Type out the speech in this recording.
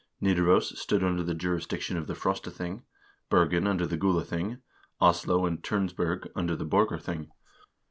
Nidaros stood under the jurisdiction of the Frostathing, Bergen under the Gulathing, Oslo and Tunsberg under the Borgarthing.